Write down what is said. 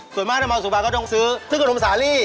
ส่วนมากถ้ามาสุภัณฑ์ก็ต้องซื้อขนมสาลี